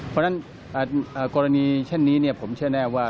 เพราะฉะนั้นกรณีเช่นนี้ผมเชื่อแน่ว่า